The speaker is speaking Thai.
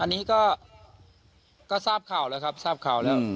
อันนี้ก็ทราบข่าวแล้วครับทราบข่าวแล้ว